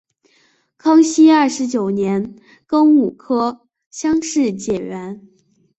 康熙二十九年庚午科乡试解元。